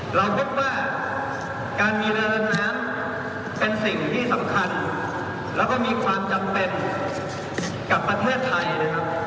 เราพบว่าการมีเรือดำน้ำเป็นสิ่งที่สำคัญแล้วก็มีความจำเป็นกับประเทศไทยนะครับ